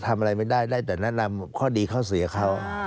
ทำอะไรไม่ได้ได้แต่แนะนำข้อดีข้อเสียเขา